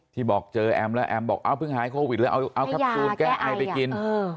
บอกเจอแอมแล้วแอมบอกเอาเพิ่งหายโควิดเลยเอาแคปซูลแก้ไอไปกิน